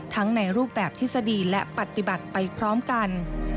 ในรูปแบบทฤษฎีและปฏิบัติไปพร้อมกัน